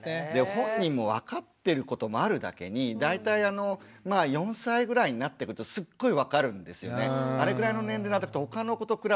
本人も分かってることもあるだけに大体あのまあ４歳ぐらいになってくるとすっごい分かるんですよね。